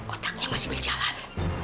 otaknya masih berjalan